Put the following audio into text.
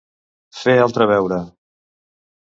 Fer altre veure.